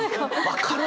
分かる！